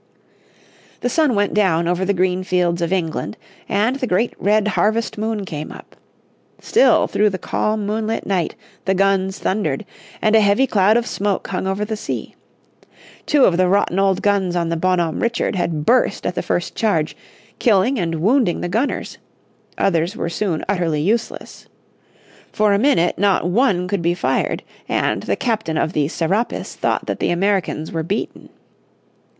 The sun went down over the green fields of England, and the great red harvest moon came up. Still through the calm moonlit night the guns thundered, and a heavy cloud of smoke hung over the sea. Two of the rotten old guns on the Bonhomme Richard had burst at the first charge, killing and wounding the gunners; others were soon utterly useless. For a minute not one could be fired, and the Captain of the Serapis thought that the Americans were beaten.